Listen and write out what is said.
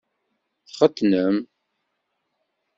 Txetnem?